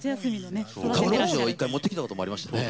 ドローンを１回持ってきたこともありましたね。